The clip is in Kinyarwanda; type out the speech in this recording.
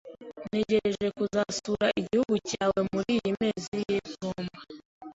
Ntegereje kuzasura igihugu cyawe muriyi mezi y'itumba.